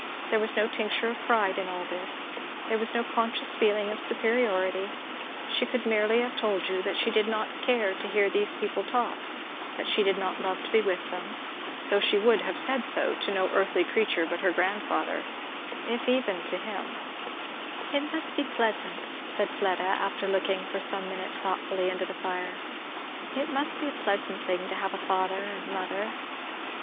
There was no tincture of pride in all this; there was no conscious feeling of superiority; she could merely have told you that she did not care to hear these people talk, that she did not love to be with them; though she would have said so to no earthly creature but her grandfather, if even to him. [Illustration: "I wasn't thinking of myself in particular."] "It must be pleasant," said Fleda, after looking for some minutes thoughtfully into the fire, "it must be a pleasant thing to have a father and mother."